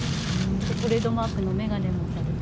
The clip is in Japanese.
トレードマークの眼鏡もされて？